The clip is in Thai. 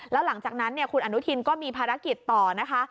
แล้วหลังจากนั้นคุณอนุทินก็มีภารกิจต่อนะคะ